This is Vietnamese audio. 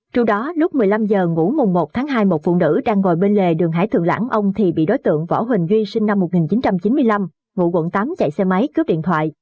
trước đó lúc một mươi năm h ngụm một tháng hai một phụ nữ đang ngồi bên lề đường hải thượng lãng ông thì bị đối tượng võ huỳnh duy sinh năm một nghìn chín trăm chín mươi năm ngụ quận tám chạy xe máy cướp điện thoại